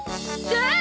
さあ！